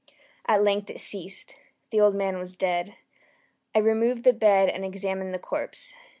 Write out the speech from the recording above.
At length it ceased. The old man was dead. I removed the bed and examined the corpse.